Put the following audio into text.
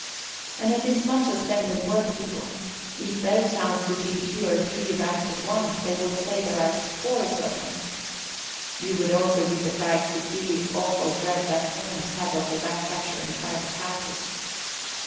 And it is much the same with workpeople; if they chance to see two or three Rats at once, they will say there are "scores" of them. You would also be surprised to see the awful dread that tenants have of the Rat catcher in private houses.